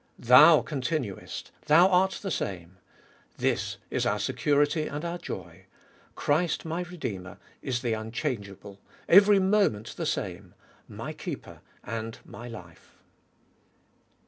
Thou continuest ; thou art the same : this is our security and our joy. Christ my Redeemer is the unchangeable —every moment the same, my Keeper and my Life.